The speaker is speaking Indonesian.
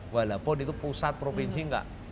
walaupun itu pusat provinsi enggak